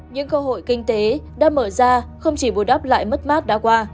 những cơ hội kinh tế đã mở ra không chỉ bù đắp lại mất mát đã qua